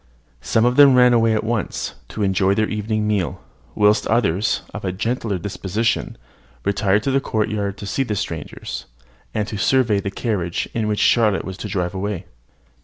Some of them ran away at once, to enjoy their evening meal; whilst others, of a gentler disposition, retired to the courtyard to see the strangers, and to survey the carriage in which their Charlotte was to drive away.